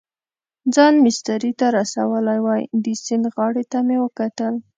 ځان مېسترې ته رسولی وای، د سیند غاړې ته مې وکتل.